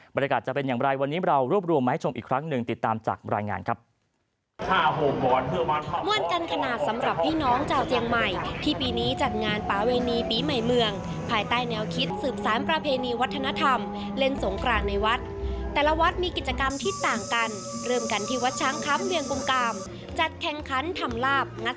จะเป็นอย่างไรวันนี้เรารวบรวมมาให้ชมอีกครั้งหนึ่งติดตามจากรายงานครับ